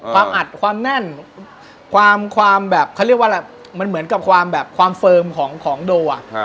ความอัดความแน่นความแบบเขาเรียกว่าอะไรมันเหมือนกับความแบบความเฟิร์มของโดอ่ะ